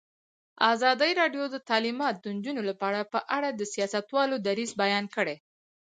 ازادي راډیو د تعلیمات د نجونو لپاره په اړه د سیاستوالو دریځ بیان کړی.